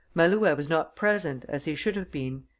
Malouet was not present as he should have been.